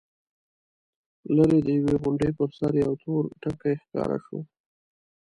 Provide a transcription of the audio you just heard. ليرې د يوې غونډۍ پر سر يو تور ټکی ښکاره شو.